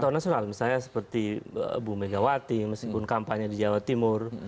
nasional misalnya seperti bu megawati meskipun kampanye di jawa timur